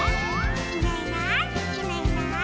「いないいないいないいない」